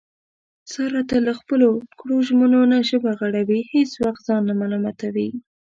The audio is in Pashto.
ساره تل له خپلو کړو ژمنو نه ژبه غړوي، هېڅ وخت ځان نه ملامتوي.